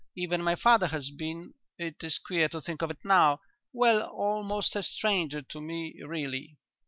Even my father has been it is queer to think of it now well, almost a stranger to me really."